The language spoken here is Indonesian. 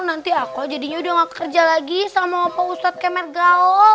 nanti aku jadinya udah gak kerja lagi sama pak ustadz kemergaul